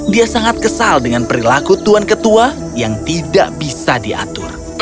dia sangat kesal dengan perilaku tuan ketua yang tidak bisa diatur